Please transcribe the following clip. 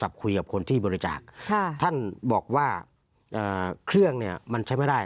โทรศัพท์คุยกับคนที่บริจาคท่านบอกว่าอ่าเครื่องเนี่ยมันใช้ไม่ได้